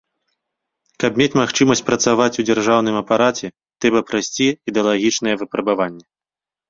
Каб мець магчымасць працаваць у дзяржаўным апараце, трэба прайсці ідэалагічныя выпрабаванні.